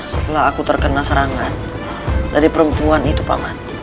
setelah aku terkena serangan dari perempuan itu pak man